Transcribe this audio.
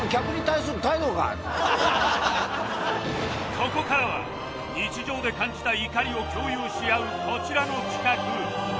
ここからは日常で感じた怒りを共有し合うこちらの企画